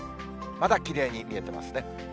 まだきれいに見えてますね。